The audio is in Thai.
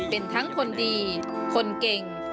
เป็นทั้งคนดีคนเก่ง